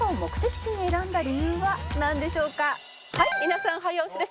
はい皆さん早押しです。